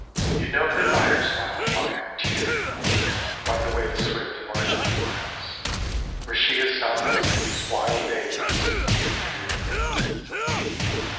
You'd know her by her smile and by her tear And by the way the swift and martin flies, Where she is south of these wild days and drear.